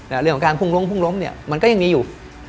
แต่เรื่องของการพุ่งล้มเค้ายังมีอยู่